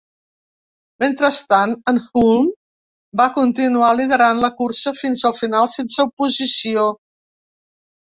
Mentrestant, en Hulme va continuar liderant la cursa fins al final, sense oposició.